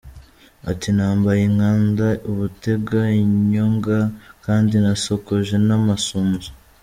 Ati “ Nambaye inkanda, ubutega, inyonga kandi nasokoje n’amasunzu.